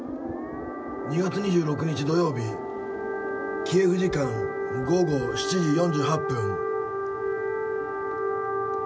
２月２６日土曜日、キエフ時間午後７時４８分。